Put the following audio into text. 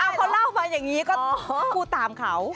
เขาเล่ามาอย่างนี้ก็พูดตามเขา